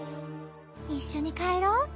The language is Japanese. いっしょにかえろう。